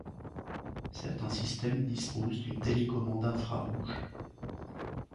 Certains systèmes disposent d'une télécommande infrarouge.